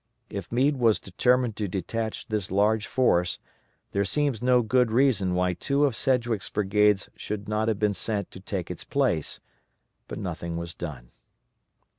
If Meade was determined to detach this large force, there seems no good reason why two of Sedgwick's brigades should not have been sent to take its place, but nothing was done.